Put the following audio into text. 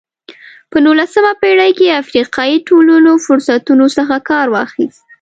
په نولسمه پېړۍ کې افریقایي ټولنو فرصتونو څخه کار واخیست.